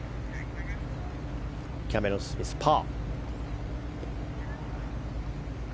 キャメロン・スミスはパー。